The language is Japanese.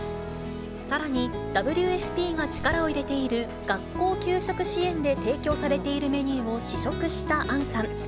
さらに、ＷＦＰが力を入れている学校給食支援で提供されているメニューを試食した杏さん。